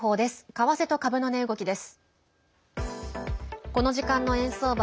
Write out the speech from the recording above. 為替と株の値動きです。